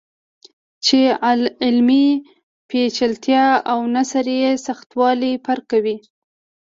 چې علمي پیچلتیا او نثري سختوالی فرق کوي.